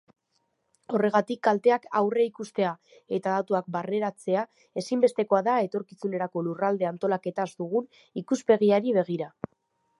Horregatik kalteak aurreikustea eta datuak barneratzea ezinbestekoa da etorkizunerako lurralde-antolaketaz dugun ikuspegiari begira.